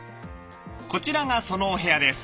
こちらがそのお部屋です。